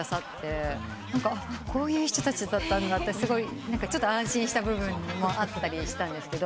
こういう人たちだったんだってちょっと安心した部分もあったりしたんですけど。